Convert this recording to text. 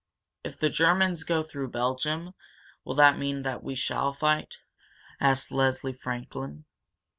"If the Germans go through Belgium, will that mean that we shall fight?" asked Leslie Franklin.